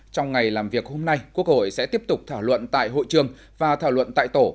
trong ngày làm việc hôm nay quốc hội sẽ tiếp tục thảo luận tại hội trường và thảo luận tại tổ